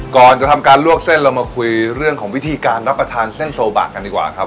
ก่อนจะทำการลวกเส้นเรามาคุยเรื่องของวิธีการรับประทานเส้นโซบะกันดีกว่าครับ